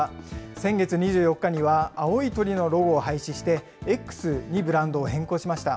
先月２４日には、青い鳥のロゴを廃止して、Ｘにブランドを変更しました。